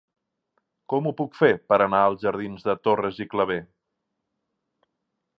Com ho puc fer per anar als jardins de Torres i Clavé?